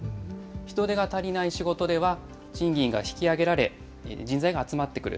人手が足りない仕事では、賃金が引き上げられ、人材が集まってくる。